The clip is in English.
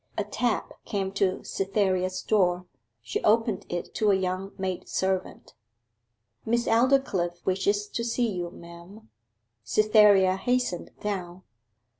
A tap came to Cytherea's door. She opened it to a young maid servant. 'Miss Aldclyffe wishes to see you, ma'am.' Cytherea hastened down.